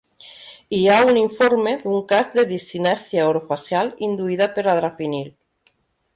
Hi ha un informe d'un cas de discinèsia orofacial induïda per adrafinil.